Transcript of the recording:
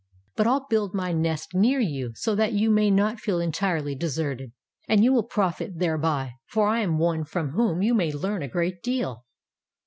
But I "11 build my nest near you, so that you may not feel entirely deserted. And you will profit thereby, for I am one from whom you may learn a great deal.""